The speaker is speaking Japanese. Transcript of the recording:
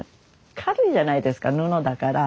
軽いじゃないですか布だから。